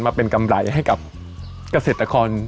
มาเป็นกำไรให้กับเกษตรกร